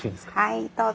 はいどうぞ。